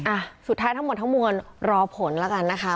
อ่ะสุดท้ายทั้งมวลรอผลละกันนะคะ